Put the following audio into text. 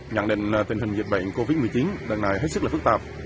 nhận định tình hình dịch bệnh covid một mươi chín đợt này hết sức là phức tạp